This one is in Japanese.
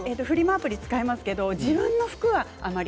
アプリを使いますけれども自分の服はあんまり。